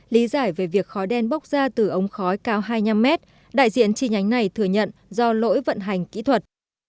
lý giải về việc khói đen bốc ra từ ống khói cao hai mươi năm mét đại diện chi nhánh này thừa nhận do lỗi vận hành kỹ thuật